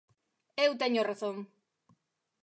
Eu teño razón